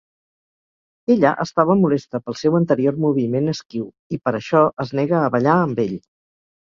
Ella estava molesta pel seu anterior moviment esquiu i, per això, es nega a ballar amb ell.